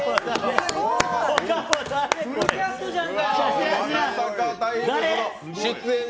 フルキャストじゃん。